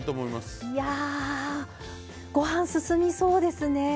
いやあご飯進みそうですね。